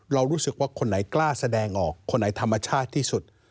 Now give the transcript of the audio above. เรารู้สึกว่าคนไหนกล้าแสดงออกคนไหนธรรมชาติที่สุด